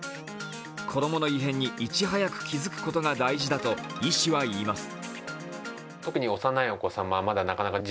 子供の異変にいち早く気づくことが大事だと医師は言います。